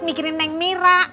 mikirin neng mira